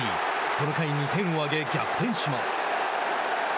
この回２点を挙げ、逆転します。